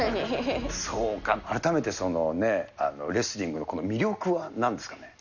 そうか、改めてそのね、レスリングのこの魅力はなんですかね？